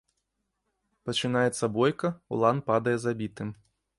Пачынаецца бойка, улан падае забітым.